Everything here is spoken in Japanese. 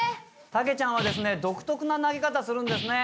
タケちゃんはですね独特な投げ方するんですね。